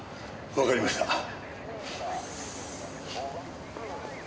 わかりました。